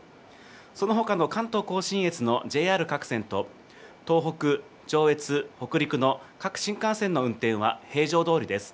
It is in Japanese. そのほかの関東甲信越のＪＲ各線と、東北、上越、北陸の各新幹線の運転は平常どおりです。